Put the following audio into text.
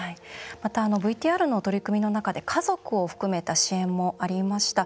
またＶＴＲの取り組みの中で家族を含めた支援もありました。